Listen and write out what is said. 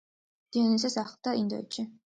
დიონისეს ახლდა ინდოეთში.